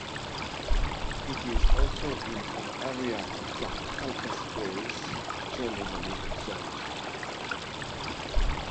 It is also in an area of black calcareous chernozemic soils.